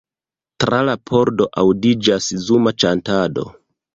Tra la pordo aŭdiĝas zuma ĉantado.